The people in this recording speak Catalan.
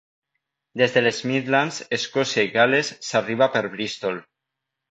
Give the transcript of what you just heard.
Des de les Midlands, Escòcia i Gal·les, s'arriba per Bristol.